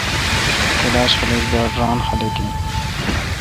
کلاش خلق باڑ ران خلق این۔